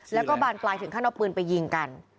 แล้วก็บานปลายถึงขั้นเอาปืนไปยิงกัน